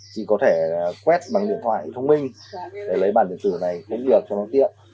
chị có thể quét bằng điện thoại thông minh để lấy bản điện tử này công việc cho nó tiện